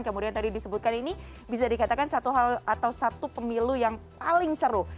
kemudian tadi disebutkan ini bisa dikatakan satu hal atau satu pemilu yang paling seru